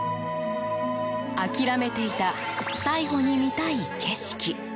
諦めていた最後に見たい景色。